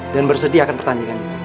dan bersedia akan pertandingan itu